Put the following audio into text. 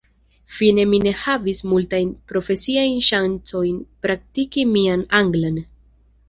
Fine mi ne havis multajn profesiajn ŝancojn praktiki mian anglan.